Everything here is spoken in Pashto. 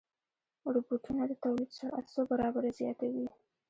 روبوټونه د تولید سرعت څو برابره زیاتوي.